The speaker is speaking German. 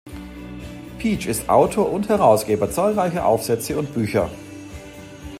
Pietsch ist Autor und Herausgeber zahlreicher Aufsätze und Bücher.